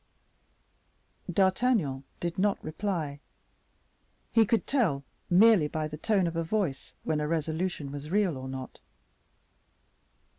D'Artagnan did not reply; he could tell, merely by the tone of a voice, when a resolution was real or not.